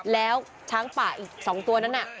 แล้วช้างป่าอีก๒ตัวนั้นน่ะ